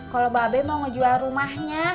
kalau babe mau ngejual rumahnya